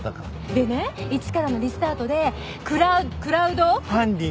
でね一からのリスタートでクラクラウド？ファンディング。